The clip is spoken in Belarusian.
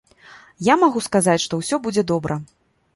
Я магу сказаць, што ўсё будзе добра.